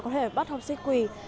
có thể bắt học sinh quỳ